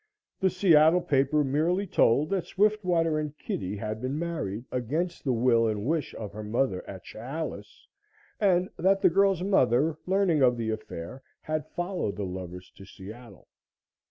The Seattle paper merely told that Swiftwater and Kitty had been married, against the will and wish of her mother at Chehalis, and that the girl's mother learning of the affair had followed the lovers to Seattle.